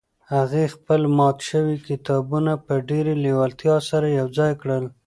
هغې خپل مات شوي کتابونه په ډېرې لېوالتیا سره یو ځای کړل.